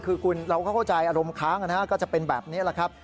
คือคุณเราก็เข้าใจอารมณ์ค้างก็จะเป็นแบบนี้แหละครับ